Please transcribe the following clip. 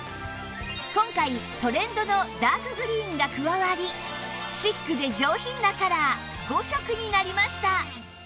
今回トレンドのダークグリーンが加わりシックで上品なカラー５色になりました